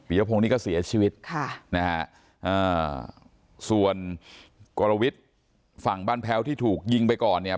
ยพงศ์นี่ก็เสียชีวิตค่ะนะฮะอ่าส่วนกรวิทย์ฝั่งบ้านแพ้วที่ถูกยิงไปก่อนเนี่ย